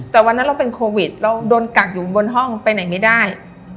แต่วันนั้นเป็นโควิดเรากลัวเกลือบนห้องไปไหนไม่ได้